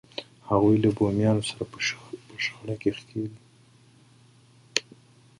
هغوی له بومیانو سره په شخړه کې ښکېل شول.